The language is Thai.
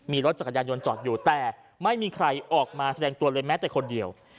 มีรถจักรยานยนต์จอดอยู่แต่ไม่มีใครออกมาแสดงตัวเลยแม้แต่คนเดียว